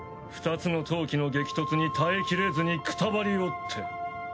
２つの闘気の激突に耐え切れずにくたばりおって。